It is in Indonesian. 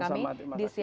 sama sama terima kasih